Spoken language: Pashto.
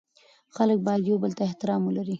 خلګ باید یوبل ته احترام ولري